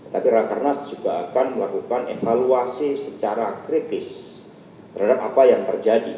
tapi rakernas juga akan melakukan evaluasi secara kritis terhadap apa yang terjadi